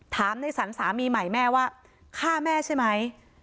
ถามในสรรสามีใหม่แม่ว่าฆ่าแม่ใช่ไหม